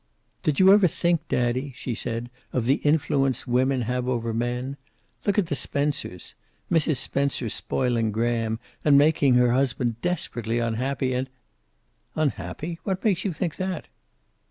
"Did you ever think, daddy," she said, "of the influence women have over men? Look at the Spencers. Mrs. Spencer spoiling Graham, and making her husband desperately unhappy. And " "Unhappy? What makes you think that?"